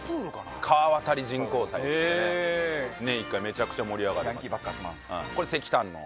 年１回めちゃくちゃ盛り上がります。